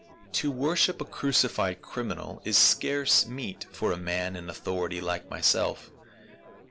To worship a crucified criminal is scarce meet for a man in authority like thyself.